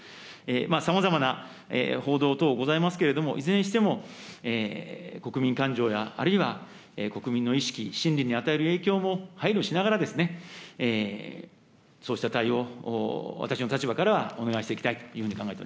さまざまな報道等ございますけれども、いずれにしても、国民感情やあるいは、国民の意識、心理に与える影響も配慮しながら、そうした対応を私の立場からはお願いしていきたいというふうに考